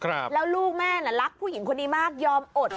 แล้วลูกแม่น่ะรักผู้หญิงคนนี้มากยอมอด